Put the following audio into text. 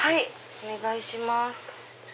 お願いします。